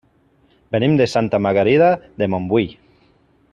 Venim de Santa Margarida de Montbui.